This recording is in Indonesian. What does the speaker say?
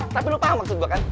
tapi lu paham maksud gua kan